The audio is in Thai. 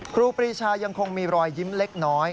ครูปรีชายังคงมีรอยยิ้มเล็กน้อย